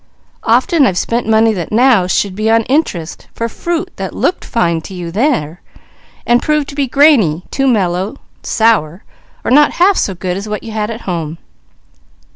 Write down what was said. Often I've spent money that now should be on interest, for fruit that looked fine to you there, and proved to be grainy, too mellow, sour or not half so good as what you had at home.